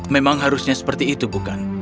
memang harusnya seperti itu bukan